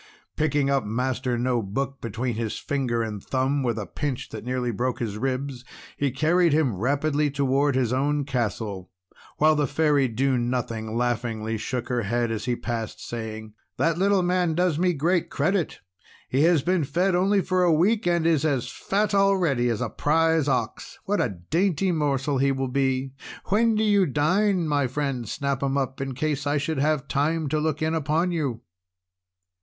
Picking up Master No Book between his finger and thumb, with a pinch that nearly broke his ribs, he carried him rapidly toward his own castle; while the Fairy Do Nothing laughingly shook her head as he passed, saying: "That little man does me great credit! He has been fed only for a week, and is as fat already as a prize ox! What a dainty morsel he will be! When do you dine, my friend Snap 'Em Up, in case I should have time to look in upon you?"